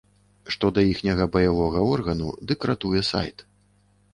Што да іхняга баявога органу, дык ратуе сайт.